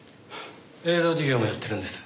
映像事業もやってるんです。